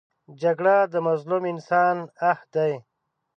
جګړه د مظلوم انسان آه دی